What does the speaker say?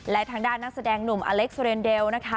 และทางด้านนักแสดงหนุ่มอเล็กซ์เรนเดลนะคะ